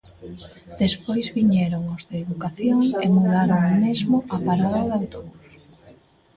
Despois viñeron os de Educación e mudaron mesmo a parada de autobús.